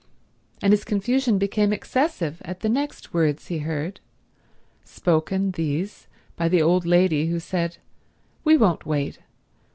And his confusion became excessive at the next words he heard— spoken, these, by the old lady, who said: "We won't wait.